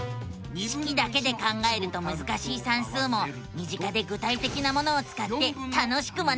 式だけで考えるとむずかしい算数も身近で具体的なものをつかって楽しく学べるのさ！